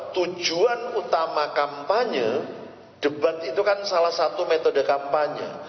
tujuan utama kampanye debat itu kan salah satu metode kampanye